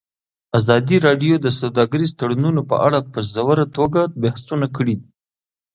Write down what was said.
ازادي راډیو د سوداګریز تړونونه په اړه په ژوره توګه بحثونه کړي.